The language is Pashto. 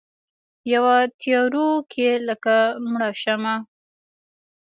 یوه تیارو کې لکه مړه شمعه